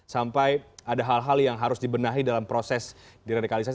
sampai ada hal hal yang harus dibenahi dalam proses diradikalisasi